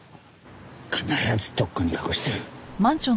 必ずどこかに隠してる。